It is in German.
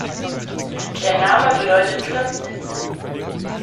Der Name bedeutet Grims Insel.